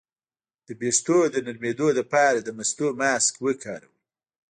د ویښتو د نرمیدو لپاره د مستو ماسک وکاروئ